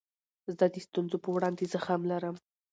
زه د ستونزو په وړاندي زغم لرم.